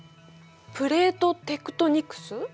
プレートテクトニクス？